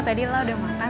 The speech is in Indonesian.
tadi lu udah makan